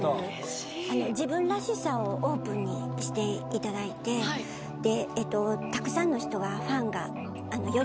自分らしさをオープンにしていただいてたくさんの人がファンがより増えますよってことです。